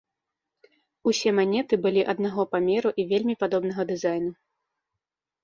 Усе манеты былі аднаго памеру і вельмі падобнага дызайну.